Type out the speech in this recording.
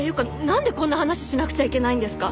んでこんな話しなくちゃいけないんですか？